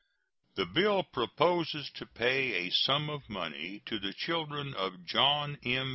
The bill proposes to pay a sum of money to the children of John M.